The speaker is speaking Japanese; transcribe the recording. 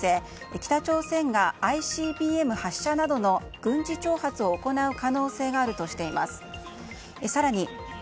北朝鮮がＩＣＢＭ発射などの軍事挑発を行う可能性があるとしています。